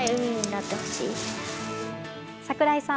櫻井さん。